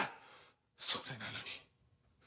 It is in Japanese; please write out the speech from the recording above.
それなのに。